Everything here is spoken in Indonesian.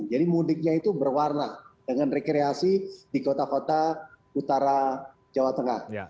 jadi mudiknya itu berwarna dengan rekreasi di kota kota utara jawa tengah